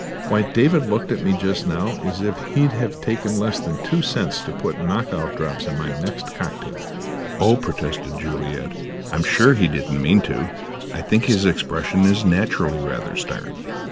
Why, David looked at me just now as if he'd have taken less than two cents to put knock out drops in my next cocktail." "Oh," protested Juliet. "I'm sure he didn't mean to. I think his expression is naturally rather stern."